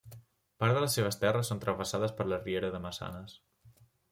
Part de les seves terres són travessades per la riera de Massanes.